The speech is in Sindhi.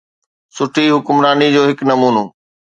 سٺي حڪمراني جو هڪ نمونو.